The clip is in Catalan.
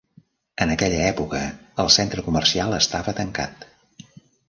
En aquella època, el centre comercial estava tancat.